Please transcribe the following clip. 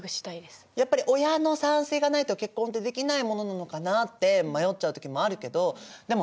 やっぱり親の賛成がないと結婚ってできないものなのかなって迷っちゃう時もあるけどでもね